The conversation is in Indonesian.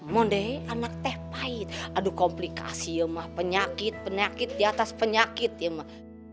mondehi anak teh pahit aduh komplikasi ya mah penyakit penyakit di atas penyakit ya mah